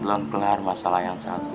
belum kelar masalah yang satu